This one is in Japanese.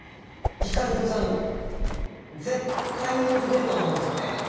光くんさん絶対人気出ると思うんすよね。